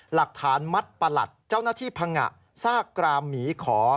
หลักฐานมัดประหลัดเจ้าหน้าที่พังงะซากกรามหมีขอ